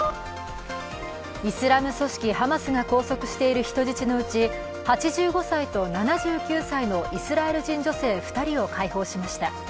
イスラム組織ハマスが拘束している人質のうち８５歳と７９歳のイスラエル人女性２人を解放しました。